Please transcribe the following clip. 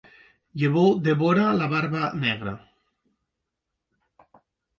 Yevaud devora la Barba Negra.